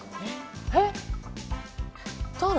えっ？